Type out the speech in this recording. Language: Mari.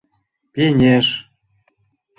Пеҥеш.